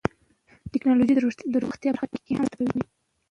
ټکنالوژي د روغتیا په برخه کې هم مرسته کوي.